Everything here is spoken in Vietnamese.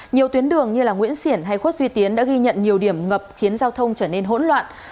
nhiều tuyến đường như nguyễn xiển hay khuất duy tiến đã ghi nhận nhiều điểm ngập khiến giao thông trở nên hỗn loạn